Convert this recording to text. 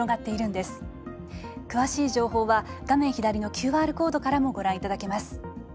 詳しい情報は画面左のＱＲコードからもご覧いただけます。